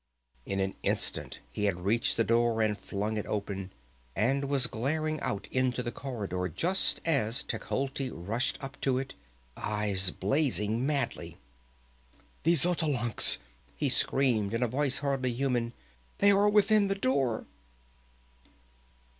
In an instant he had reached the door and flung it open, and was glaring out into the corridor just as Techotl rushed up it, eyes blazing madly. "The Xotalancas!" he screamed, in a voice hardly human, "_They are within the door!